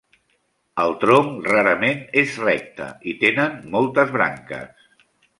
El tronc rarament és recte i tenen moltes branques.